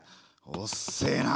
おっせえな。